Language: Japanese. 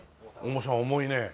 重さ重いね。